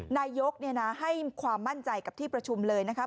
นายกรัฐมนตรีให้ความมั่นใจกับที่ประชุมเลยนะครับ